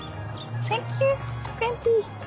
サンキュー。